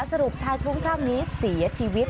สรุปชายคลุ้มคลั่งนี้เสียชีวิต